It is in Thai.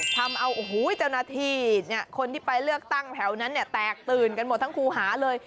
ทำเอาเจ้าหน้าที่คนที่ไปเลือกตั้งแถวนั้นเนี่ยแตกตื่นกันหมดทั้งคู่หาเลย